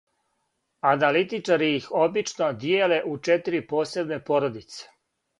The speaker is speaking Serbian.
"Аналитичари их обично дијеле у четири посебне "породице"."